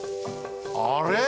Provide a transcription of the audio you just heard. あれ？